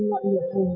loại mỉa thồng